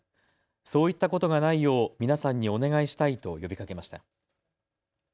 そういったことがないよう皆さんにお願いしたいと呼びかけました。